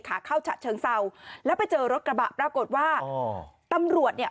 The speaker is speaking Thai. ขาเข้าฉะเชิงเศร้าแล้วไปเจอรถกระบะปรากฏว่าอ๋อตำรวจเนี่ย